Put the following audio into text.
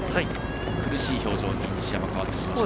苦しい表情に西山、変わってきました。